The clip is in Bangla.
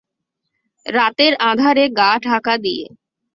রাতের আঁধারে গা ঢাকা দিয়ে।